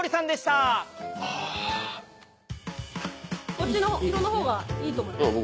こっちの色のほうがいいと思います。